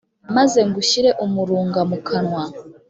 maze ngushyire umurunga mu kanwa,